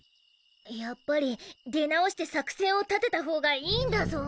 やっぱり出直して作戦を立てた方がいいんだゾ。